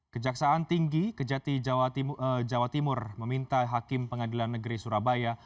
kejaksaan tinggi kejati jawa timur meminta hakim pengadilan negeri surabaya